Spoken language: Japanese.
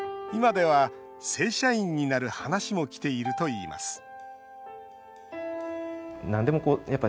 今では正社員になる話もきているといいます